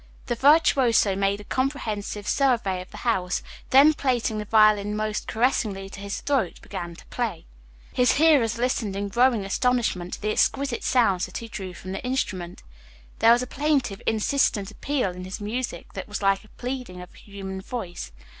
The virtuoso made a comprehensive survey of the house, then placing the violin almost caressingly to his throat, began to play. His hearers listened in growing astonishment to the exquisite sounds that he drew from the instrument. There was a plaintive, insistent appeal in his music that was like the pleading of a human voice.